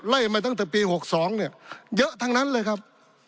ไล่มาตั้นแต่ปี๖๒เยอะทั้งนั้นเลยครับ